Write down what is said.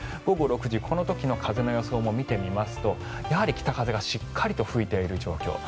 午後６時、この時の風の予想も見てみますとやはり北風がしっかりと吹いている状況。